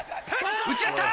打ち合った！